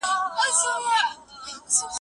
دا ځل یې ډنډ سترګو خندل،